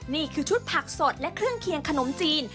นี่คือชุดผักสดและเครื่องเคียงขนมจีน